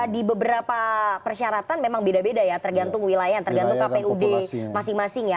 di beberapa persyaratan memang beda beda ya tergantung wilayah tergantung kpud masing masing ya